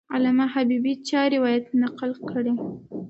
علامه حبیبي چا روایت نقل کړی؟